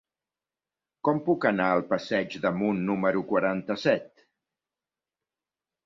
Com puc anar al passeig d'Amunt número quaranta-set?